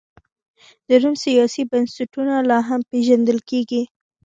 د روم سیاسي بنسټونه لا هم پېژندل کېږي.